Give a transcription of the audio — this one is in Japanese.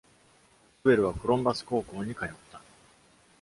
ショベルはコロンバス高校に通った。